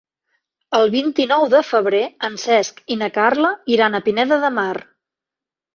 El vint-i-nou de febrer en Cesc i na Carla iran a Pineda de Mar.